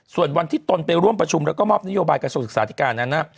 ส่วนวันที่ตนไปร่วมประชุมแล้วก็มอบนโยบายกระทรวงศึกษาธิการนั้น